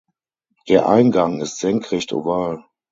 Der Eingang ist senkrecht oval.